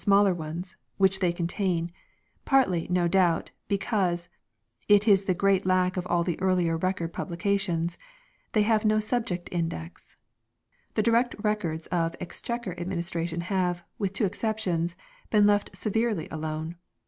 (244) FINANCIAL RECORDS 245 ones which they contain ; partly, no doubt, because (it is the great lack of all the earlier Record publica tions) they have no subject index. The direct Re cords of Exchequer administration have, with two exceptions, 1 been left severely alone.